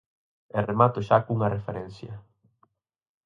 E remato xa cunha referencia.